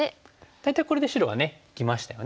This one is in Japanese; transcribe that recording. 大体これで白はね生きましたよね。